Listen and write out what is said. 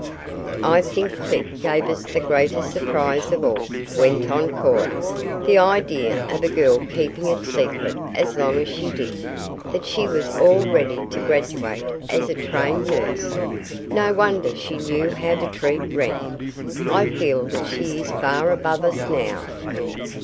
"I think Clip gave us the greatest surprise of all," went on Cora. "The idea of a girl keeping it secret as long as she did, that she was all ready to graduate as a trained nurse! No wonder she knew how to treat Wren. I feel that she is far above us now."